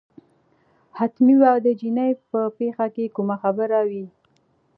حتمي به د چیني په پېښه کې کومه خبره وي.